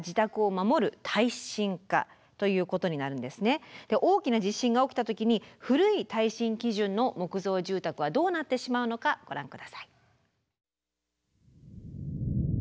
まず１番目が大きな地震が起きた時に古い耐震基準の木造住宅はどうなってしまうのかご覧下さい。